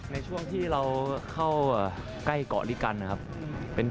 ในช่วงที่เราเข้าใกล้เกาะดีกัน